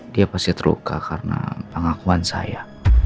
dia pasti terluka karena pengakuan saya